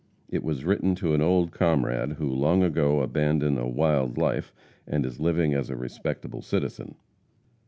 It was written to an old comrade, who long ago abandoned a "wild life," and is living as a respectable citizen.